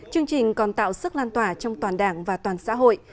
chương trình còn tạo sức lan tỏa trong toàn đảng và toàn xã hội